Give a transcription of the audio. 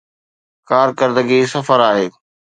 ڪارڪردگي صفر آهي.